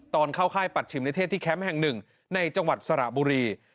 ตอนเข้าค่ายปัดฉิมในเทศที่แคมป์แห่งหนึ่งในจังหวัดสระบุรี